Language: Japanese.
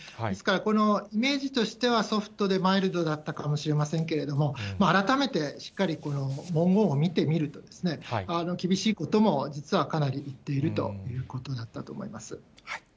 ですから、このイメージとしては、ソフトでマイルドだったかもしれませんけれども、改めてしっかりこの文言を見てみると、厳しいことも実はかなり言っているということだったと思います。